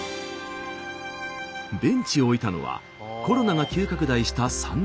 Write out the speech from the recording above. ベンチを置いたのはコロナが急拡大した３年前。